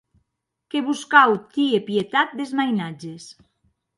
Que vos cau tier pietat des mainatges.